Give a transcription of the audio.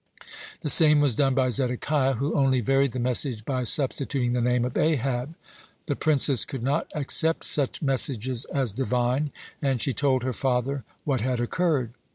The same was done by Zedekiah, who only varied the message by substituting the name of Ahab. The princess could not accept such messages as Divine, and she told her father what had occurred.